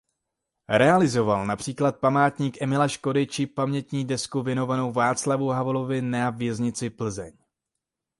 Realizoval například památník Emila Škody či pamětní desku věnovanou Václavu Havlovi na Věznici Plzeň.